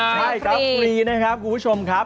ใช่ครับฟรีนะครับคุณผู้ชมครับ